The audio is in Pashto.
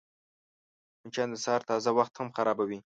مچان د سهار تازه وخت هم خرابوي